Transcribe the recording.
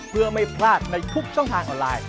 เพื่อไม่พลาดในทุกช่องทางออนไลน์